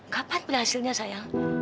kapan berhasilnya sayang